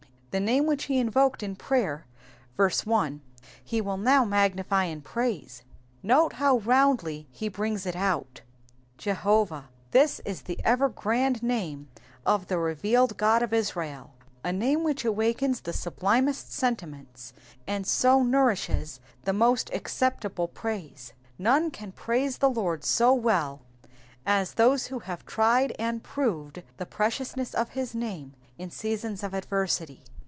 The name which he invoked in prayer (verse 1), he will now magnify in praise. Note how roundly he brings it out : *'0 Jehovah.''^ This is ever the grand name of the revealed God of Israel, a name which awakens the sublimest sentiments, and so nourishes the most acceptable praise. None can g raise the Lord so well as those who have tried and proved the preciousness of is name in seasons of adversity.